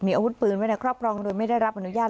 อาวุธปืนไว้ในครอบครองโดยไม่ได้รับอนุญาต